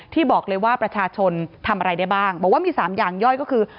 ที่บอกเลยว่าประชาชนทำอะไรได้บ้างบอกว่ามี๓อย่างย่อยก็คือ